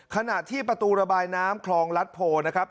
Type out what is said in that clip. ขณะที่ประตูระบายน้ำคลองรัฐโพนะครับ